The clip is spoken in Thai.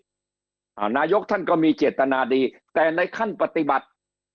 นายกรัฐมนตรีนั่นก็มีเจตนาดีแต่ในขั้นปฏิบัติ